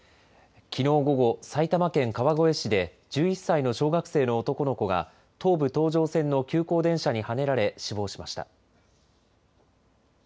きのう午後、埼玉県川越市で、１１歳の小学生の男の子が東武東上線の急行電車にはねられ死亡しました。